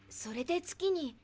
それで月に。